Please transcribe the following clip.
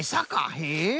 へえ。